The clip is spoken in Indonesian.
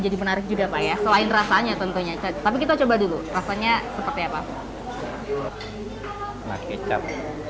jadi menarik juga pak ya selain rasanya tentunya tapi kita coba dulu rasanya seperti apa kecap